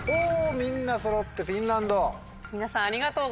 みんなそろって「フィンランド」。